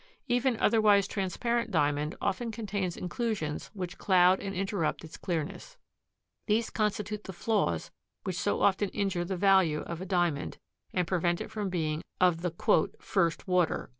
Even otherwise transparent Diamond often contains inclusions which cloud and interrupt its clearness. These constitute the "flaws" 174 which so often injure the value of a Diamond and prevent it from being of the "first water."